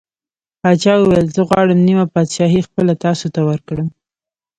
پاچا وویل: زه غواړم نیمه پادشاهي خپله تاسو ته ورکړم.